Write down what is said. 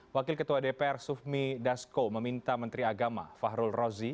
wakil ketua dpr sufmi dasko meminta menteri agama fahrul rozi